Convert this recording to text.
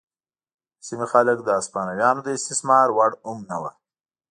د سیمې خلک د هسپانویانو د استثمار وړ هم نه وو.